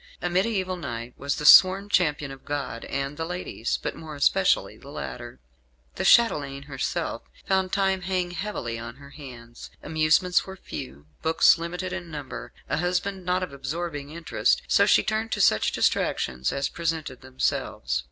A mediæval knight was the sworn champion of God and the ladies but more especially the latter. The chatelaine, herself, found time hang heavily on her hands. Amusements were few; books limited in number; a husband not of absorbing interest; so she turned to such distractions as presented themselves.